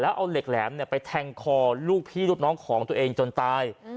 เอาเหล็กแหลมไปแทงคอลูกพี่ลูกน้องของตัวเองจนตาย